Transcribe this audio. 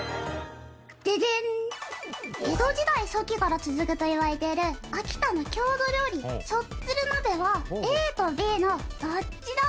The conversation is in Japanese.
江戸時代初期から続くといわれている秋田の郷土料理しょっつる鍋はＡとＢのどっちだべ？